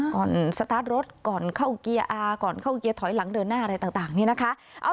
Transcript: สตาร์ทรถก่อนเข้าเกียร์อาร์ก่อนเข้าเกียร์ถอยหลังเดินหน้าอะไรต่างนี่นะคะ